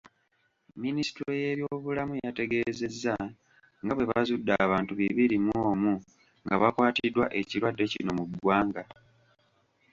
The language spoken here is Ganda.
Minisitule y'ebyobulamu yategeezezza nga bwe bazudde abantu bibiri mu omu nga bakwatiddwa ekirwadde kino mu ggwanga.